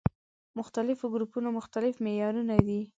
مختلفو ګروپونو مختلف معيارونه دي.